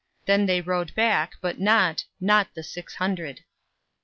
Then they rode back, but not Not the six hundred.